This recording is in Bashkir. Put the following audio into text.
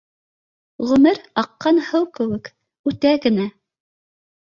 Ғүмер, аҡҡан һыу кеүек, үтә генә